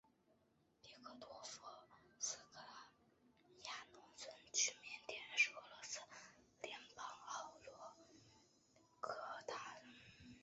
别克托夫斯卡亚农村居民点是俄罗斯联邦沃洛格达州沃热加区所属的一个农村居民点。